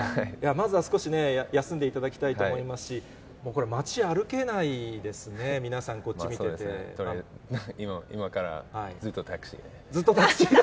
まずは少しね、休んでいただきたいと思いますし、これ街、歩けないですね、皆さん、そうですね、今からずっとタずっとタクシー？